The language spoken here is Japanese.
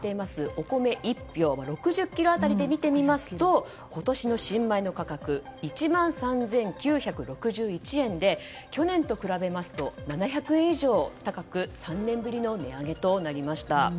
お米１俵は６０ｋｇ当たりで見てみますと今年の新米の価格は１万３９６１円で去年と比べますと７００円以上高く３年ぶりの値上げとなりました。